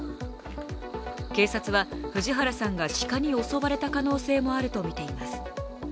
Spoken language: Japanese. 警察は、藤原さんが鹿に襲われた可能性があるとみています。